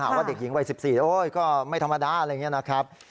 ว่าเด็กหญิงวัย๑๔โอ๊ยก็ไม่ธรรมดาอะไรอย่างนี้นะครับ